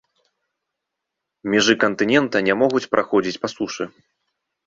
Межы кантынента не могуць праходзіць па сушы.